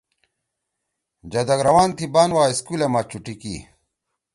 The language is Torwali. جَدَگ رَوان تھی بان وا اسکولے ما چُٹی کی